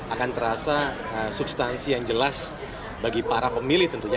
akan terasa substansi yang jelas bagi para pemilih tentunya